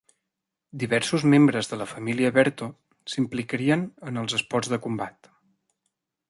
Diversos membres de la família Berto s'implicarien en els esports de combat.